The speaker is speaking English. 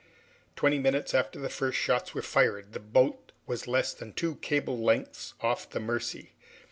Twenty minutes after the first shots were fired, the boat was less than two cables lengths off the Mercy.